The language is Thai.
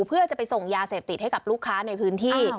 เพื่อจะไปส่งยาเสพติดให้กับลูกค้าในพื้นที่